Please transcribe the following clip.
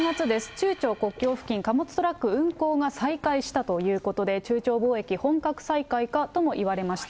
中朝国境付近、貨物トラック運行が再開したということで、中朝貿易本格再開か？ともいわれました。